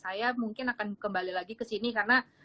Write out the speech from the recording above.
saya mungkin akan kembali lagi ke sini karena